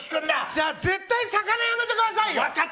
じゃあ、絶対魚はやめてくださいよ。